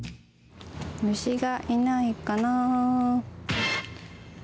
虫がいないかな？